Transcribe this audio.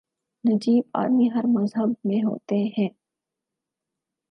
نجیب آدمی ہر مذہب میں ہوتے ہیں۔